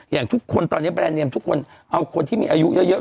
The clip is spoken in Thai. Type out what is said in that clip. อย่างทุกคนตอนนี้แบรนดเนียมทุกคนเอาคนที่มีอายุเยอะ